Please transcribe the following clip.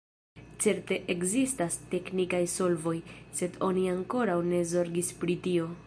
Certe ekzistas teknikaj solvoj, sed oni ankoraŭ ne zorgis pri tio.